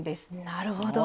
なるほど。